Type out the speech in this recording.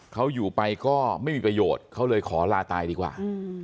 เขาอยู่ไปก็ไม่มีประโยชน์เขาเลยขอลาตายดีกว่า